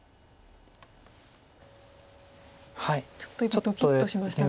ちょっと今ドキッとしましたが。